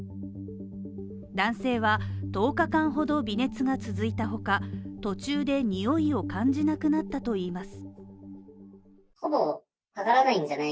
男性は１０日間ほど微熱が続いたほか、途中で臭いを感じなくなったといいます。